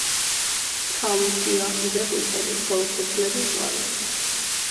ცა ლურჯია, მზე ყვითელი, ხოლო ფოთლები მწვანე.